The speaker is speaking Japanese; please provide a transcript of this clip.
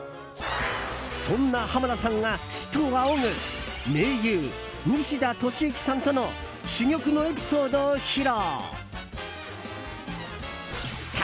そんな濱田さんが師と仰ぐ名優・西田敏行さんとの珠玉のエピソードを披露！